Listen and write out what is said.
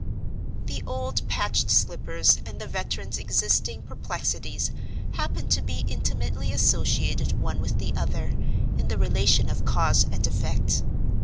The old patched slippers and the veteran's existing perplexities happened to be intimately associated one with the other, in the relation of cause and effect.